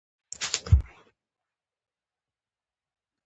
د کابل زړګی راډک دی له ګیلو نه